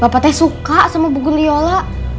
bapak teh suka sama buku liola